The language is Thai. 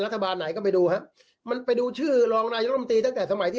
รัฐบาลไหนก็ไปดูมันไปดูชื่อรองนายรมตีตั้งแต่สมัยที่